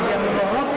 entah dia mendorot